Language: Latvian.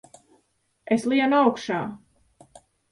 Es lienu augšā!